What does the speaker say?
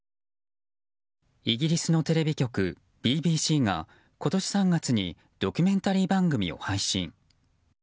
イギリスのテレビ局ＢＢＣが今年３月にドキュメンタリー番組を配信。